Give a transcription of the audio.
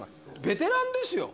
ベテランですよ。